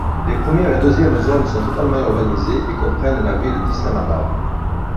Les première et deuxième zones sont totalement urbanisées et comprennent la ville d'Islamabad.